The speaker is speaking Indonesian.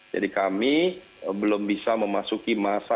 jadi kami belum bisa memasuki masa